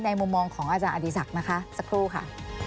มุมมองของอาจารย์อดีศักดิ์นะคะสักครู่ค่ะ